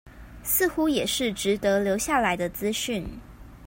似乎也是值得留下來的資訊